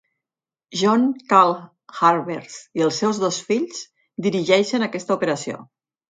John "Cal" Harberts i els seus dos fills dirigeixen aquesta operació.